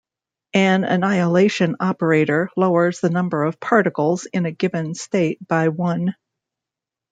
An annihilation operator lowers the number of particles in a given state by one.